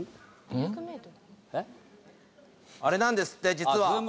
あれなんですって実は。